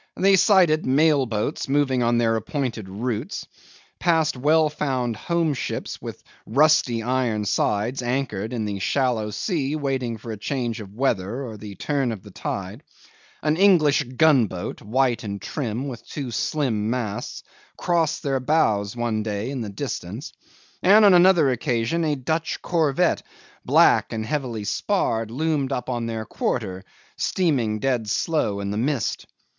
They sighted mail boats moving on their appointed routes; passed well found home ships with rusty iron sides anchored in the shallow sea waiting for a change of weather or the turn of the tide; an English gunboat, white and trim, with two slim masts, crossed their bows one day in the distance; and on another occasion a Dutch corvette, black and heavily sparred, loomed up on their quarter, steaming dead slow in the mist.